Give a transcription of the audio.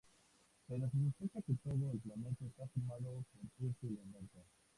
Pero se sospecha que todo el planeta está formado por ese elemento.